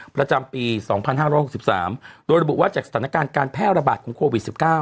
ประจำปี๒๕๖๓โดยระบุว่าจากสถานการณ์การแพร่ระบาดของโควิด๑๙